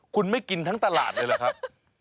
คุณไม่กินทั้งตลาดเลยเหรอครับ